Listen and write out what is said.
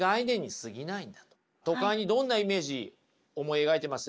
都会にどんなイメージ思い描いてます？